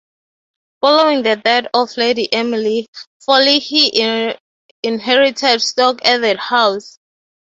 Following the death of Lady Emily Foley he inherited Stoke Edith House.